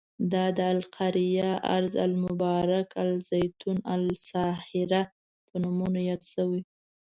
دا د القریه، ارض المبارک، الزیتون او الساهره په نومونو یاد شوی.